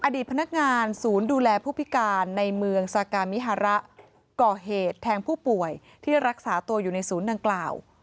อดีตพนักงานศูนย์ดูแลผู้พิการในเมืองซากามิฮาระก่อเหตุแทงผู้ป่วยที่รักษาตัวอยู่ในศูนย์ดังกล่าว